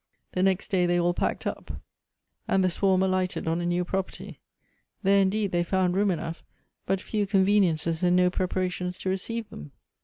The next day they all packed up and the swarm alighted on a new property. There indeed they found room enough, but few conven iences and no preparations to receive them.